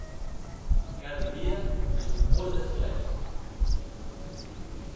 Cada dia és un mur de silenci.